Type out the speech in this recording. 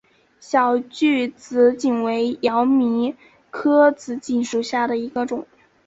小距紫堇为罂粟科紫堇属下的一个种。